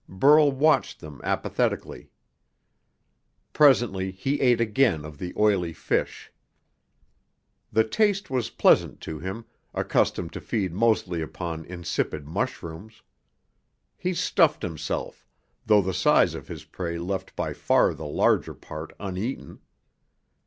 Burl watched them apathetically. Presently, he ate again of the oily fish. The taste was pleasant to him, accustomed to feed mostly upon insipid mushrooms. He stuffed himself, though the size of his prey left by far the larger part uneaten.